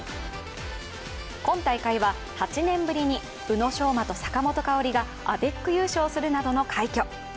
今大会は８年ぶりに宇野昌磨と坂本花織がアベック優勝するなどの快挙。